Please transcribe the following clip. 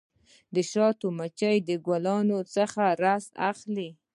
د شاتو مچۍ د ګلانو څخه رس اخلي.